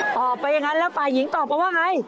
ตอบไปอย่างนั้นแล้วฝ่ายหญิงตอบมาว่าไง